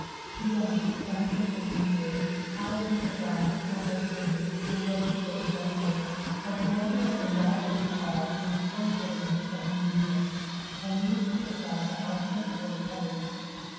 He went, vanquished and angry, out into the black, muffled city, and groped his way to Soho, like a man who has been robbed of his all and is full of bitterness but unbeaten, and means to get it back by artifice or force.